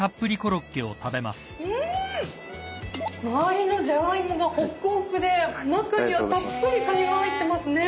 周りのじゃがいもがほっくほくで中にはたっぷりカニが入ってますね。